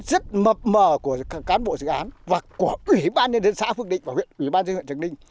rất mập mờ của cán bộ dự án và của ủy ban nhân dân xã phước định và ủy ban nhân dân huyện trực ninh